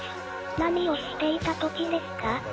何をしていたときですか？